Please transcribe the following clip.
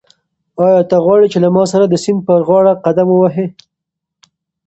آیا ته غواړې چې له ما سره د سیند پر غاړه قدم ووهې؟